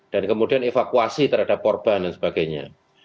dan kemudian evakuasi terhadap porban dan sebagainya